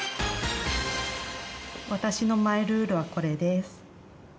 私のマイルールはこれです。